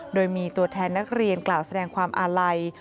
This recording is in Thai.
โดยมีตัวแทนนักเรียนกล่าวแสดงความอาลัย